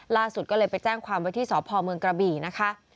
ล่าสุดก็เลยไปแจ้งความไว้ที่สพเมืองกระบี่นะคะ